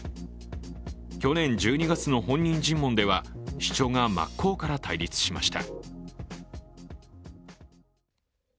去年１２月の本人尋問では主張が真っ向から対立しました。